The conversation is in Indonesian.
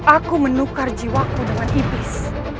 aku menukar jiwaku dengan iblis